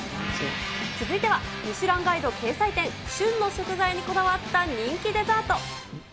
続いてはミシュランガイド掲載店、旬の食材にこだわった人気デザート。